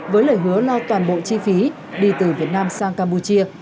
với lời hứa lo toàn bộ chi phí đi từ việt nam sang campuchia